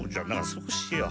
そうしよう。